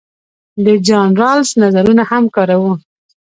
د جان رالز نظرونه هم کاروو.